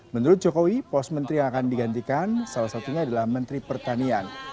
menurut jokowi pos menteri yang akan digantikan salah satunya adalah menteri pertanian